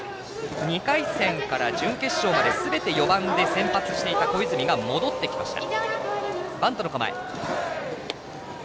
２回戦から準決勝まですべて４番で先発していた小泉が戻ってきました。